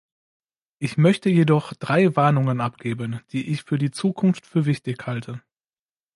Ich möchte jedoch drei Warnungen abgeben, die ich für die Zukunft für wichtig halte.